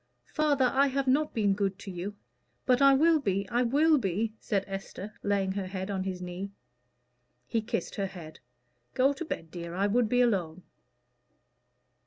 "Father, I have not been good to you; but I will be, I will be," said Esther, laying her head on his knee. He kissed her head. "Go to bed, dear; I would be alone."